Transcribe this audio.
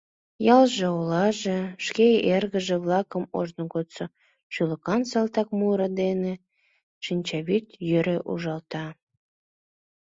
Ялже, олаже шке эргыже-влакым ожно годсо шӱлыкан салтак муро дене шинчавӱд йӧре ужата.